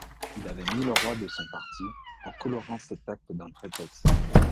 Il avait mis le roi de son parti, en colorant cet acte d'un prétexte.